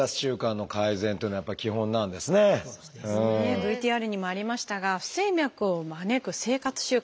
ＶＴＲにもありましたが不整脈を招く生活習慣